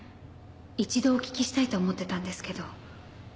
一度お聞きしたいと思ってたんですけど。